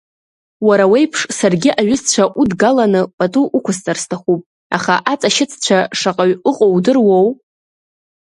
Уара уеиԥш, саргьы аҩызцәа удгаланы, пату уқәсҵар сҭахуп, аха аҵашьыццәа шаҟаҩ ыҟоу удыруоу?